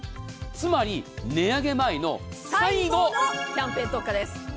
つまり、値上げ前の最後のキャンペーン特価です。